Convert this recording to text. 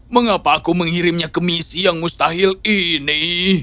mengapa aku mengirimnya ke misi yang mustahil ini